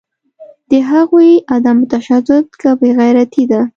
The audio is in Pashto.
د هغوی عدم تشدد که بیغیرتي ده